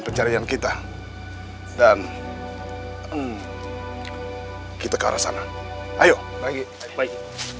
ke karyawan kita dan kita ke arah sana ayo lagi baik baik